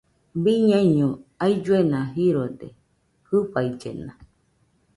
Biñaino ailluena jirode jɨfaillena